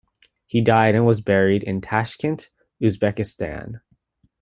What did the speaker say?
He died and was buried in Tashkent, Uzbekistan.